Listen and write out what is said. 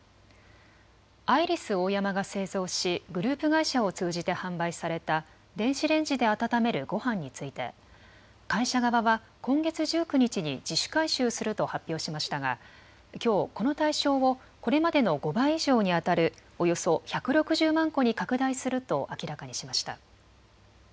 アイリスオーヤマが製造しグループ会社を通じて販売された電子レンジで温めるごはんについて会社側は今月１９日に自主回収すると発表しましたがきょう、この対象をこれまでの５倍以上にあたるおよそ１６０万個に拡大すると明らかにしました。